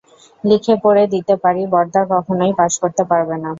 লিখে পড়ে দিতে পারি, বরদা কখনোই পাস করতে পারবে না।